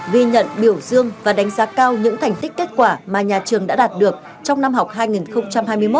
vì nhận biểu dương và đánh giá cao những thành tích kết quả mà nhà trường đã đạt được trong năm học hai nghìn hai mươi một hai nghìn hai mươi hai